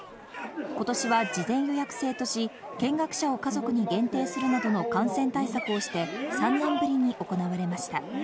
今年は事前予約制とし、見学者を家族に限定するなどの感染対策をして、３年ぶりに行われました。